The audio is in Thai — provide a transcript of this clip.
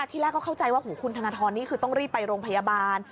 ที่แรกก็เข้าใจว่าคุณธนทรนี่คือต้องรีบไปโรงพยาบาล